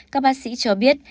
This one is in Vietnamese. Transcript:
các bác sĩ cho biết